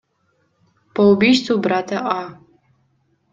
по убийству брата А.